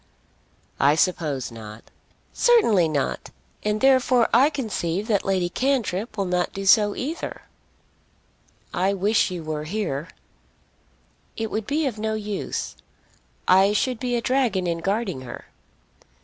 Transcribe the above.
"I suppose not." "Certainly not; and therefore I conceive that Lady Cantrip will not do so either." "I wish she were here." "It would be of no use. I should be a dragon in guarding her."